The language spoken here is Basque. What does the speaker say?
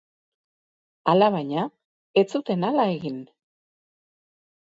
Alabaina, ez zuten hala egin.